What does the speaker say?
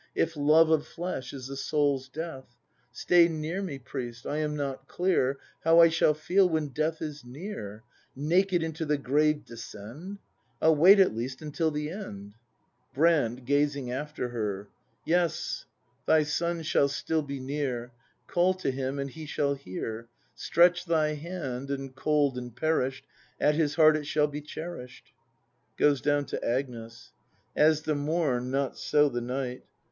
If love of flesh is the soul's death ?— Stay near me, priest! — I am not clear How I shall feel when death is near. "Naked into the grave descend," — I'll wai?, at least, until the end. [Goes. Brand. [Gazing after her.] Yes, thy son shall still be near. Call to him, and he shall hear. Stretch thy hand, and, cold and perish'd, At his heart it shall be cherish'd. [Goes down to Agnes.] As the Morn not so the Ni^ht.